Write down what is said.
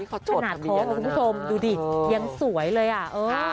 ขนาดโทษของคุณผู้ชมดูดิยังสวยเลยอ่ะ